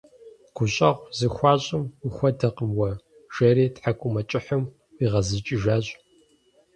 - Гущӏэгъу зыхуащӏым ухуэдэкъым уэ! - жери тхьэкӏумэкӏыхьым ӏуигъэзыкӏыжащ.